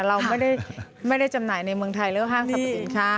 เราไม่ได้จำหน่ายในเมืองไทยเรื่องห้างสรรพสินค้า